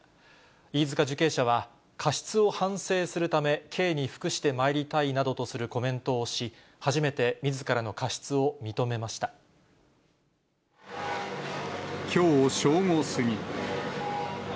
飯塚受刑者は、過失を反省するため、刑に服してまいりたいなどとするコメントをし、初めてみずからのきょう正午過ぎ。